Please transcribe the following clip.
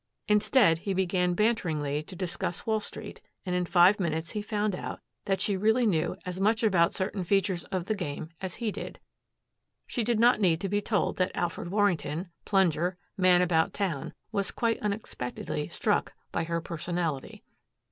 Instead he began banteringly to discuss Wall Street and in five minutes he found out that she really knew as much about certain features of the game as he did. She did not need to be told that Alfred Warrington, plunger, man about town, was quite unexpectedly struck by her personality.